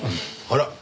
あら！